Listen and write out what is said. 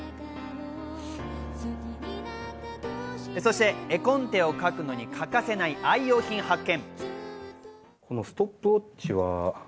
そして絵コンテを描くのに欠かせない愛用品、発見。